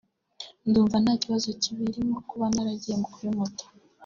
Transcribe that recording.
numva ko nta kibazo kibirimo kuba naragiye kuri moto